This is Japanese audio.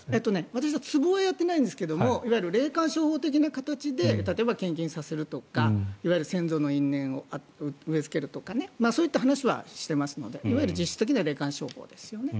私はつぼはやっていないんですがいわゆる霊感商法的な形で例えば献金させるとかいわゆる先祖の因縁を植えつけるとかそういった話はしているので実質的には霊感商法ですよね。